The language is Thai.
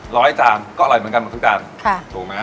ร้อยตามก็อร่อยเหมือนกันเหมือนทุกจานค่ะถูกไหมครับ